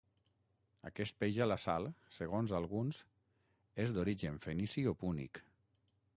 Aquest peix a la sal, segons alguns, és d’origen fenici o púnic.